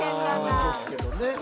いいですけどね。